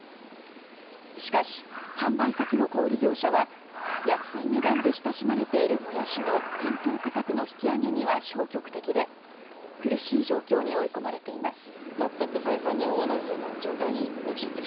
しかし販売先の小売業者は安い値段で親しまれているもやしの店頭価格の引き上げには消極的で苦しい状況に追い込まれています。